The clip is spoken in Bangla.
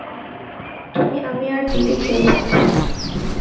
তুমি আমি আর দিদি খেলবো এখন?